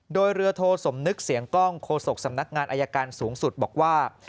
โดยเรือโทสมนึกเสียงกล้องโฆษกสำนักงานอายการสูงสุดบอกว่า